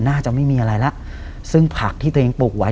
น่าจะไม่มีอะไรแล้วซึ่งผักที่ตัวเองปลูกไว้